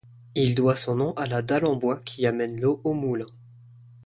Il doit son nom à la dalle en bois qui amène l'eau au moulin.